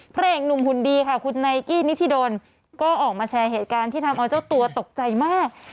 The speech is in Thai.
พระเอกหนุ่มหุ่นดีค่ะคุณไนกี้นิธิดลก็ออกมาแชร์เหตุการณ์ที่ทำเอาเจ้าตัวตกใจมาก